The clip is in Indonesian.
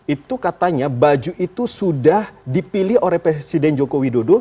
itu katanya baju itu sudah dipilih oleh presiden joko widodo